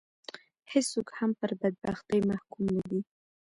هېڅوک هم پر بدبختي محکوم نه دي.